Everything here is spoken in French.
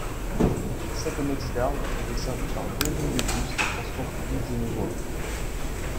Saconnex-d'Arve est desservie par deux lignes de bus des Transports Publics Genevois.